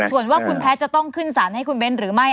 ส่วนว่าคุณแพทย์จะต้องขึ้นสารให้คุณเบ้นหรือไม่